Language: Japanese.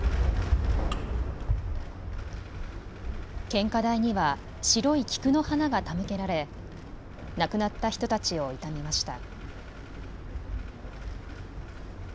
献花台には白い菊の花が手向けられ亡くなった人たちを悼みました。